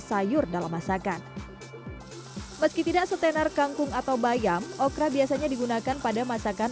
sayur dalam masakan meski tidak setenar kangkung atau bayam okra biasanya digunakan pada masakan